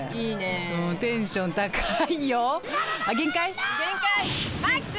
テンション高いよ。